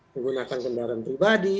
menggunakan kendaraan pribadi